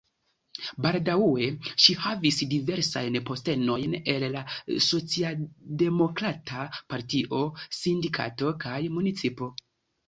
Baldaŭe ŝi havis diversajn postenojn en la socialdemokrata partio, sindikato kaj municipo.